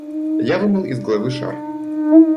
Я вынул из головы шар.